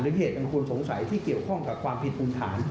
หรือเหตุทางควรสงสัยที่เกี่ยวข้องกับความผิดบุญฐาน